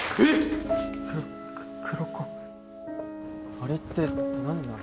あれって何なの？